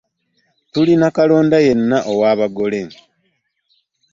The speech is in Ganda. Tulina kalonda yenna ow'abagole.